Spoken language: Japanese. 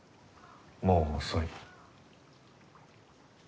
もう遅い。